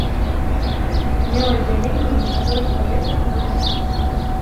Меў аддзяленні ў некаторых паветах і валасцях.